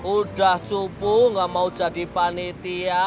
udah cupu gak mau jadi panitia